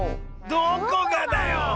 どこがだよ！